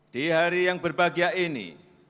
di hari yang berbahagia ini